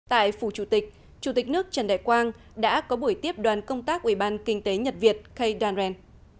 tại phủ chủ tịch chủ tịch nước trần đại quang đã có buổi tiếp đoàn công tác ủy ban kinh tế nhật việt kdanren